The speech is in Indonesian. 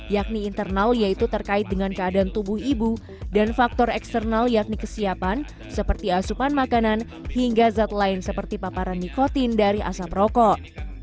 yakni internal yaitu terkait dengan keadaan tubuh ibu dan faktor eksternal yakni kesiapan seperti asupan makanan hingga zat lain seperti paparan nikotin dari asap rokok